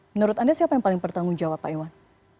menurut anda siapa yang paling bertanggung jawab pak iwan